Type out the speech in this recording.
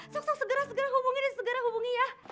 sok sok segera hubungin ya segera hubungin ya